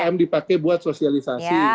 tiga m dipakai buat sosialisasi